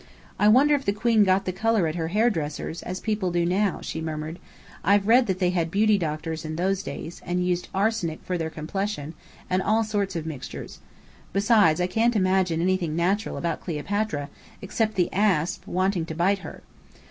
"I wonder if the queen got the colour at her hairdresser's, as people do now?" she murmured. "I've read that they had beauty doctors in those days, and used arsenic for their complexion, and all sorts of mixtures. Besides, I can't imagine anything natural about Cleopatra, except the asp wanting to bite her!"